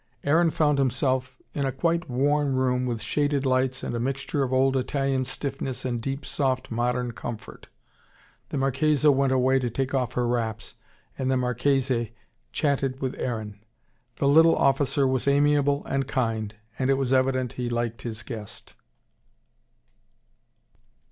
Aaron found himself in a quite warm room with shaded lights and a mixture of old Italian stiffness and deep soft modern comfort. The Marchesa went away to take off her wraps, and the Marchese chatted with Aaron. The little officer was amiable and kind, and it was evident he liked his guest.